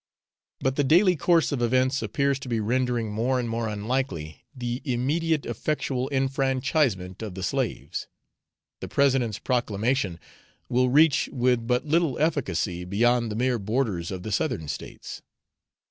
But the daily course of events appears to be rendering more and more unlikely the immediate effectual enfranchisement of the slaves: the President's proclamation will reach with but little efficacy beyond the mere borders of the Southern States.